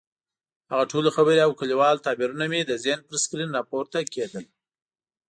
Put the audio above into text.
هغه ټولې خبرې او کلیوال تعبیرونه مې د ذهن پر سکرین راپورته کېدلې.